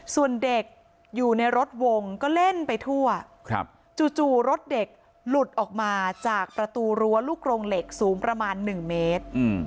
ส่วนเด็กอยู่ในรถวงก็เล่นไปทั่วจู่รถเด็กหลุดออกมาจากประตูรั้วลูกโรงเหล็กสูงประมาณ๑เมตร